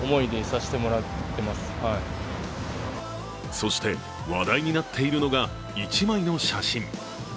そして話題になっているのが一枚の写真。